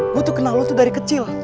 gue tuh kenal lo tuh dari kecil